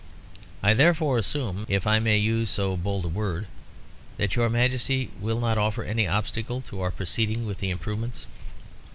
I therefore assume, if I may use so bold a word, that your Majesty will not offer any obstacle to our proceeding with the improvements."